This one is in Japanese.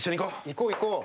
行こう、行こう。